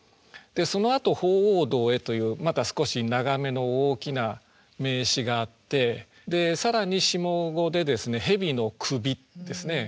そのあと「鳳凰堂へ」というまた少し長めの大きな名詞があって更に下五で「蛇の首」ですね。